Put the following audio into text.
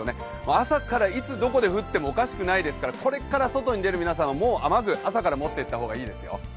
朝からいつどこで降ってもおかしくないですから、これから外に出る皆さんはもう雨具、朝から持って行った方がいいですよ。